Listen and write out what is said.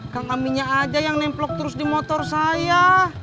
kang aminnya aja yang nempelok terus di motor saya